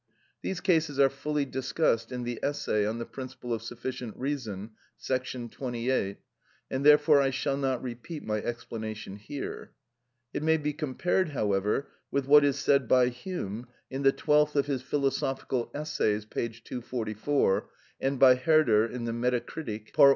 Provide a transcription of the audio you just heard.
These cases are fully discussed in the essay on the principle of sufficient reason, § 28, and therefore I shall not repeat my explanation here. It may be compared, however, with what is said by Hume in the twelfth of his "Philosophical Essays," p. 244, and by Herder in the "Metacritik," pt. i.